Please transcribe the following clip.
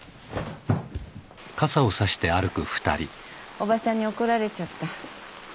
叔母さんに怒られちゃった。